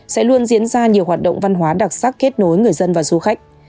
sẽ luôn diễn ra nhiều hoạt động văn hóa đặc sắc kết nối người dân và du khách